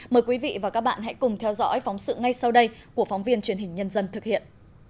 mời quý vị và các bạn hãy cùng theo dõi phóng sự ngay sau đây của phóng viên truyền hình nhân dân thực hiện